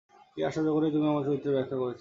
কী আশ্চর্য করেই তুমি আমার চরিত্রের ব্যাখ্যা করেছ।